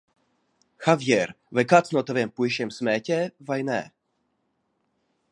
Havjēr, vai kāds no taviem puišiem smēķē, vai nē?